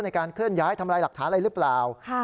ในการเคลื่อนย้ายทำลายหลักฐานอะไรหรือเปล่า